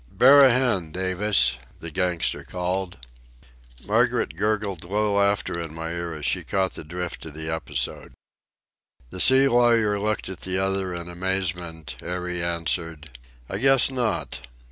"Bear a hand, Davis," the gangster called. Margaret gurgled low laughter in my ear as she caught the drift of the episode. The sea lawyer looked at the other in amazement ere he answered: "I guess not."